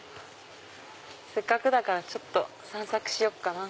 せっかくだからちょっと散策しようかな。